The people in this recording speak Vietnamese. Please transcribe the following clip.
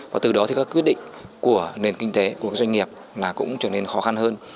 và từ đó thì các quyết định của nền kinh tế của các doanh nghiệp là cũng trở nên khó khăn hơn